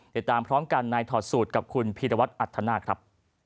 ติดตามพร้อมกันในถอดสูตรกับคุณพีรวัตรอัธนาคครับ